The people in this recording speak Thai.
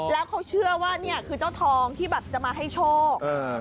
แล้วเขาเชื่อว่านี่คือเจ้าทองที่แบบจะมาให้โชค